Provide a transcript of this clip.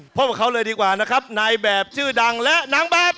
พบกับเขาเลยดีกว่านะครับนายแบบชื่อดังและนางแบบ